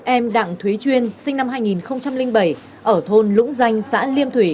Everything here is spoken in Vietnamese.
em đặng thúy chuyên sinh năm hai nghìn bảy ở thôn lũng danh xã liêm thủy